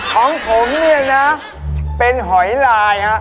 ของผมเนี่ยนะเป็นหอยลายฮะ